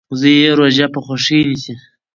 زوی یې روژه په خوښۍ نیسي.